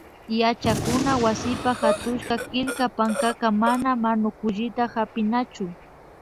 Yachakuna wasipa hatushka killka pankaka mana manukullita hapinachu